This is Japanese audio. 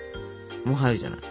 もう入るじゃない。